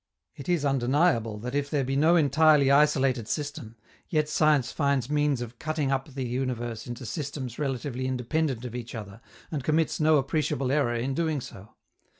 It is undeniable that if there be no entirely isolated system, yet science finds means of cutting up the universe into systems relatively independent of each other, and commits no appreciable error in doing so.